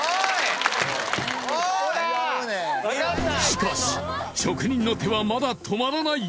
しかし職人の手はまだ止まらない！